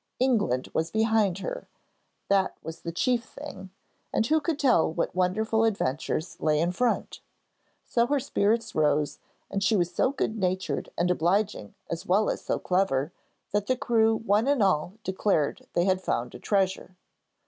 England was behind her; that was the chief thing, and who could tell what wonderful adventures lay in front? So her spirits rose, and she was so good natured and obliging as well as so clever, that the crew one and all declared they had found a treasure.